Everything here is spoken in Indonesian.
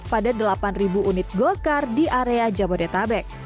pada delapan unit gokar di area jabodetabek